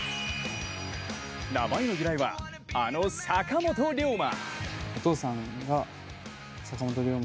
名前の由来は、あの坂本龍馬。